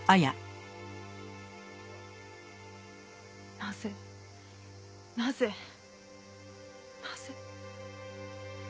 なぜなぜなぜ。